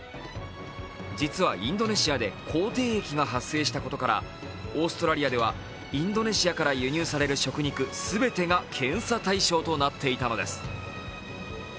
実はインドネシアで口てい疫が発生したことからオーストラリアではインドネシアから輸入される食肉全てが検査対象となっていたのです。